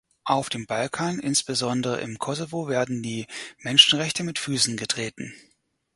Auf dem Balkan, insbesondere im Kosovo werden die Menschenrechte mit Füßen getreten.